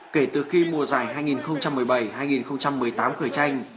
kể từ khi mùa giải hai nghìn một mươi bảy hai nghìn một mươi tám khởi tranh